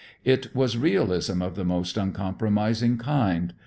It was realism of the most uncompromising kind.